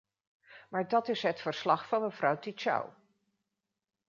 Maar dat is het verslag van mevrouw Ţicău.